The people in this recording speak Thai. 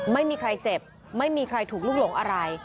ไม่มีใครเจ็บไม่มีใครถูกลุกหลงอะไร